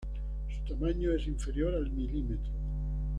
Su tamaño es inferior al milímetro.